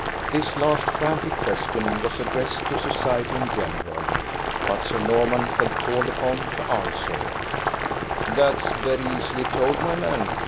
This last frantic question was addressed to society in general, but Sir Norman felt called upon to answer: "That's very easily told, my man.